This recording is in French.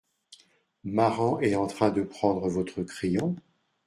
Maran est en train de prendre votre crayon ?